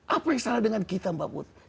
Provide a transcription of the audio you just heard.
apa yang salah dengan kita mbak put